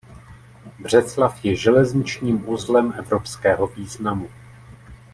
Břeclav je železničním uzlem evropského významu.